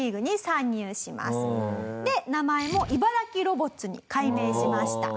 で名前も茨城ロボッツに改名しました。